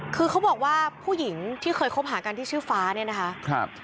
คือเขาบอกว่าผู้หญิงที่เคยคบหากันที่ชื่อฟ้าเนี่ยนะคะ